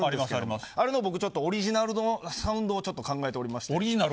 僕、あれのオリジナルのサウンドを考えておりまして。